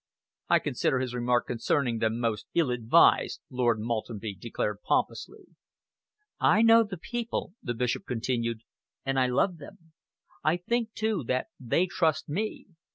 "I consider his remark concerning them most ill advised," Lord Maltenby declared pompously. "I know the people," the Bishop continued, "and I love them. I think, too, that they trust me.